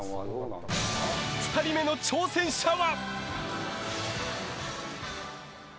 ２人目の挑戦者は。